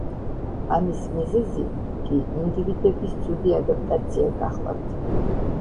ამის მიზეზი კი ინდივიდების ცუდი ადაპტაცია გახლავთ.